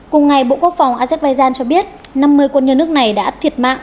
cùng ngày bộ quốc phòng azerbaijan cho biết năm mươi quân nhân nước này đã thiệt mạng